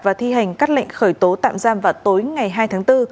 và thi hành các lệnh khởi tố tạm giam vào tối ngày hai tháng bốn